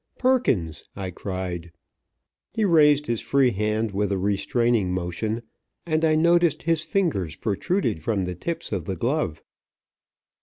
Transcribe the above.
"Perkins!" I cried. He raised his free hand with a restraining motion, and I noticed his fingers protruded from the tips of the glove.